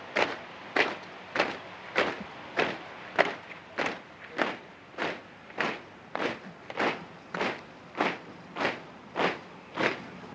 kapor pengibaran sang merah putih siap